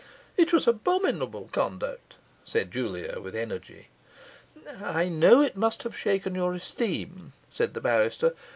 'It was abominable conduct!' said Julia, with energy. 'I know it must have shaken your esteem,' said the barrister.